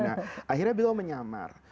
akhirnya beliau menyamar